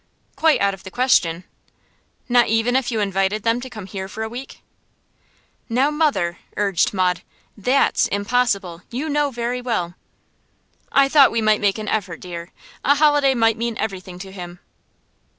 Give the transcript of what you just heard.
'Quite out of the question.' 'Not even if you invited them to come here for a week?' 'Now, mother,' urged Maud, 'THAT'S impossible, you know very well.' 'I thought we might make an effort, dear. A holiday might mean everything to him.